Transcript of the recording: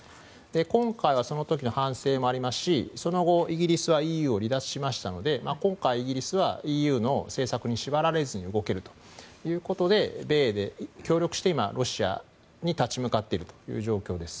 今回はその時の反省もありますしその後、イギリスはＥＵを離脱しましたので今回、イギリスはＥＵの政策に縛られずに動けるということで米英で協力してロシアに立ち向かっているという状況です。